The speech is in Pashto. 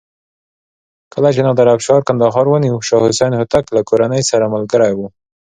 کله چې نادر افشار کندهار ونیو شاه حسین هوتک له کورنۍ سره ملګری و.